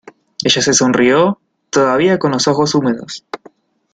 ella se sonrió, todavía con los ojos húmedos: